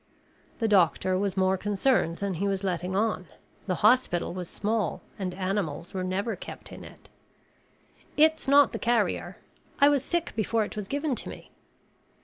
The doctor was more concerned than he was letting on. The hospital was small and animals were never kept in it. "It's not the carrier. I was sick before it was given to me."